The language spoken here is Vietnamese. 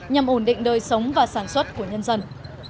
nhằm ổn định đời sống và sản xuất của nhân dân